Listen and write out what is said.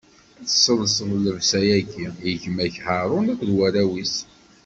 Ad tesselseḍ llebsa-agi i gma-k Haṛun akked warraw-is.